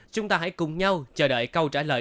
chúng ta hãy cùng nhau chờ đợi câu trả lời